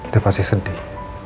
dia pasti sedih